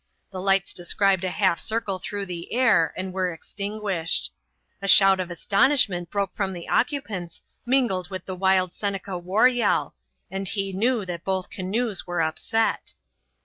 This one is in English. The lights described a half circle through the air and were extinguished. A shout of astonishment broke from the occupants, mingled with the wild Seneca war yell, and he knew that both canoes were upset.